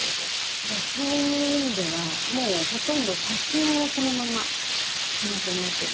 だからそういう意味ではもうほとんど写真がそのままプリントになってるような。